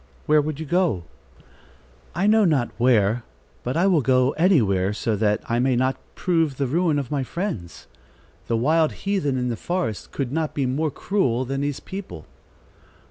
"Where would you go?" "I know not where; but I will go anywhere, so that I may not prove the ruin of my friends. The wild heathen in the forest could not be more cruel than these people."